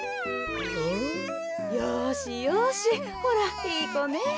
よしよしほらいいこね。